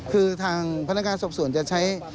คือทางพนักงานสอบส่วนจะใช้